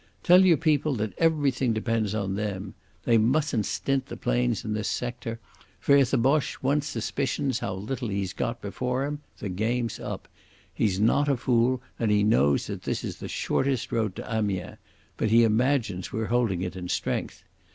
Tell your people that everything depends on them. They mustn't stint the planes in this sector, for if the Boche once suspicions how little he's got before him the game's up. He's not a fool and he knows that this is the short road to Amiens, but he imagines we're holding it in strength.